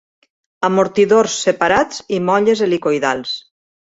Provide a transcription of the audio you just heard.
Amortidors separats i molles helicoïdals.